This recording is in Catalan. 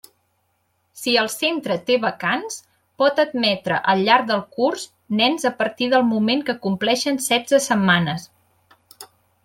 Si el centre té vacants, pot admetre al llarg del curs nens a partir del moment que compleixin setze setmanes.